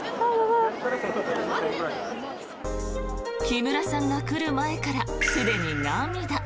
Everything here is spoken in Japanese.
木村さんが来る前からすでに涙。